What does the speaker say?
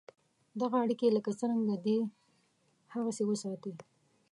دغه اړیکي لکه څرنګه دي هغسې وساتې.